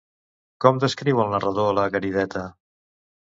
Com descriu el narrador la Garideta?